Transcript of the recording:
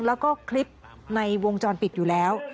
แล้วก็คลิปในวงจรปิดอยู่แล้ว